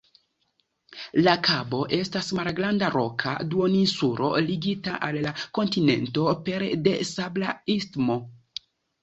La kabo estas malgranda roka duoninsulo ligita al la kontinento pere de sabla istmo.